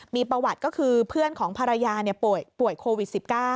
มีประวัติก็คือเพื่อนของภรรยาป่วยโควิด๑๙